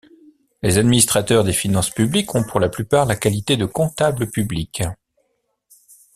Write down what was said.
Les administrateurs des finances publiques ont pour la plupart la qualité de comptable public.